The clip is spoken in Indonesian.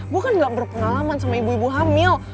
gue kan gak berpengalaman sama ibu ibu hamil